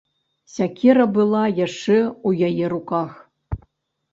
Сякера была яшчэ ў яе руках.